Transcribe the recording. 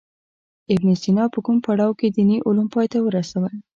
ابن سینا په کوم پړاو کې دیني علوم پای ته ورسول.